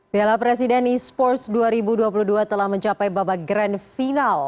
piala presiden e sports dua ribu dua puluh dua telah mencapai babak grand final